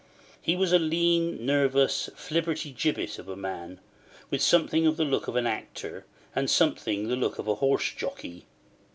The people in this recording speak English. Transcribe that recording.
He was a lean, nervous flibbertigibbet of a man, with something the look of an actor, and something the look of a horse jockey.